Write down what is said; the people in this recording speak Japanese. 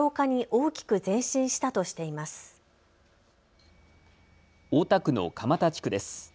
大田区の蒲田地区です。